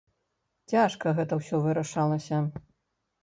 Цяжка гэта ўсё вырашалася.